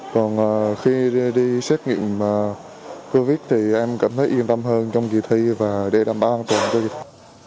còn khi đi xét nghiệm covid thì em cảm thấy yên tâm hơn trong kỳ thi và đề đảm bảo an toàn cho kỳ thi